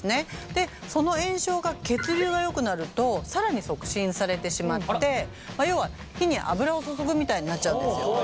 でその炎症が血流がよくなると更に促進されてしまって要は火に油を注ぐみたいになっちゃうんですよ。